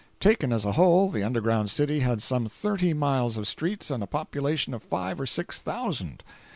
Taken as a whole, the underground city had some thirty miles of streets and a population of five or six thousand.